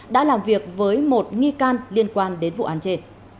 đã làm việc với một nghi can liên quan đến vụ án chê